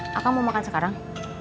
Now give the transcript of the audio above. apa kamu mau makan sekarang